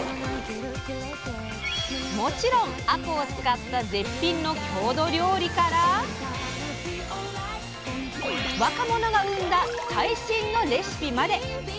もちろんあこうを使った絶品の郷土料理から若者が生んだ最新のレシピまで！